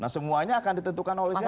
nah semuanya akan ditentukan oleh siapa